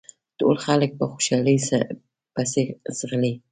ټول خلک په خوشحالۍ پسې ځغلي.